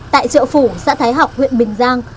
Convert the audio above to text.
tại chợ phủ xã thái học huyện bình giang